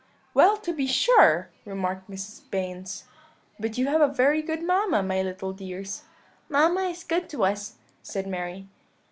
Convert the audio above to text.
"'Well to be sure!' remarked Mrs. Baynes; 'but you have a very good mamma, my little dears.' "'Mamma is good to us,' said Mary.